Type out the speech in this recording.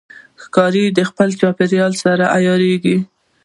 ښکاري د خپل چاپېریال سره عیارېږي.